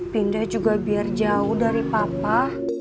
pindah juga biar jauh dari papa